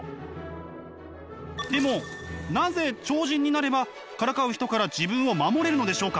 でもなぜ超人になればからかう人から自分を守れるのでしょうか？